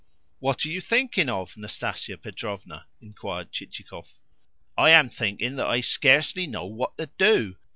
"What are you thinking of, Nastasia Petrovna?" inquired Chichikov. "I am thinking that I scarcely know what to do.